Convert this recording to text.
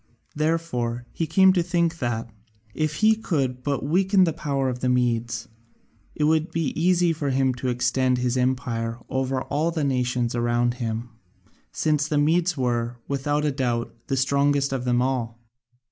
Therefore he came to think that, if he could but weaken the power of the Medes, it would be easy for him to extend his empire over all the nations round him, since the Medes were, without doubt, the strongest of them all.